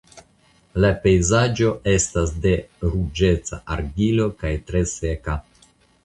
La pejzaĝo estas de ruĝeca argilo kaj tre seka.